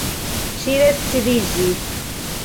Ŝi decidiĝis.